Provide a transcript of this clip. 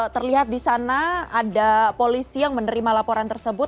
terlihat di sana ada polisi yang menerima laporan tersebut